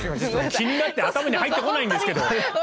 気になって頭に入ってこないんですけど。